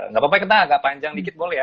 nggak apa apa kita agak panjang dikit boleh ya